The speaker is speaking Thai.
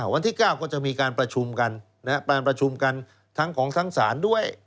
วันที่๙ก็จะมีการประชุมกันการประชุมกันทั้งของทั้งศาลด้วย